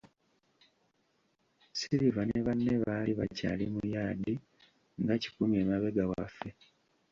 Silver ne banne baali bakyali mu yaadi nga kikumi emabega waffe